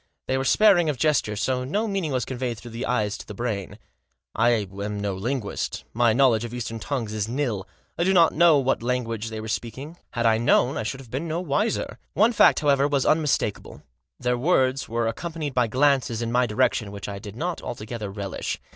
They were sparing of gesture, so no meaning was conveyed through the eye to the brain. I am no linguist. My knowledge of Eastern tongues is nil. I did not know what language they were Digitized by THE TRIO RETURN. 215 speaking ; had I known I should have been no wiser. One fact, however, was unmistakable ; their words were accompanied by glances in my direction, which I did not altogether relish.